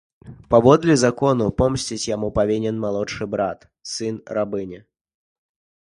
Паводле закону, помсціць яму павінен малодшы брат, сын рабыні.